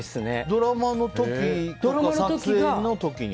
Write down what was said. ドラマの時とか撮影の時に？